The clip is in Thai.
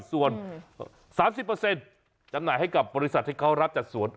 ส่วน๓๐จำหน่ายให้กับบริษัทที่เขารับจัดสวน